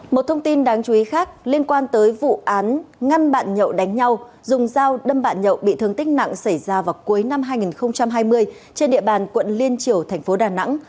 một thông tin đáng chú ý khác liên quan tới vụ án ngăn bạn nhậu đánh nhau dùng dao đâm bạn nhậu bị thương tích nặng xảy ra vào cuối năm hai nghìn hai mươi trên địa bàn quận liên triều thành phố đà nẵng